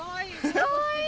・かわいい！